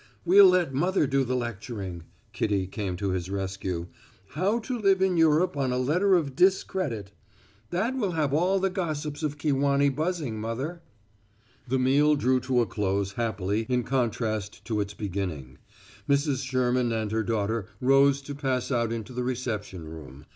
"We'll let mother do the lecturing," Kitty came to his rescue. "'How to Live in Europe on a Letter of Discredit.' That will have all the gossips of Kewanee buzzing, mother." The meal drew to a close happily in contrast to its beginning. Mrs. Sherman and her daughter rose to pass out into the reception room.